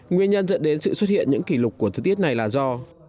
nguyên nhân dẫn đến sự xuất hiện những kỷ lục của thời tiết này là do